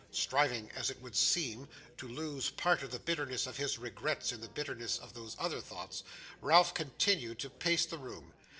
Striving, as it would seem, to lose part of the bitterness of his regrets in the bitterness of these other thoughts, Ralph continued to pace the room.